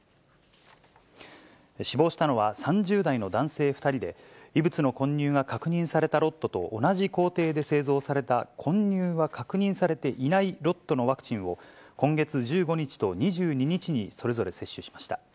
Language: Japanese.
死亡したのは、３０代の男性２人で、異物の混入が確認されたロットと同じ工程で製造された混入が確認されていないロットのワクチンを、今月１５日と２２日に、それぞれ接種しました。